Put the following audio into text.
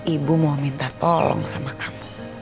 ibu mau minta tolong sama kamu